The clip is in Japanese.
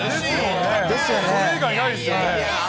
それ以外ないですよね。